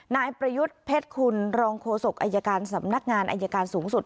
นายประยุทธ์เพชรคุณรองโฆษกอายการสำนักงานอายการสูงสุด